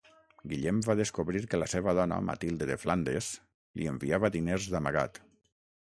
Guillem va descobrir que la seva dona, Matilde de Flandes, li enviava diners d'amagat.